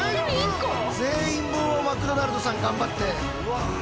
全員分をマクドナルドさん頑張って。